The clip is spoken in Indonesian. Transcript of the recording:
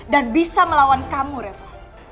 dan bisa melawan kamu reva